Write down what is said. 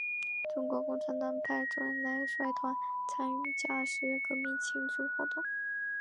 中国共产党派周恩来率团参加十月革命庆祝活动。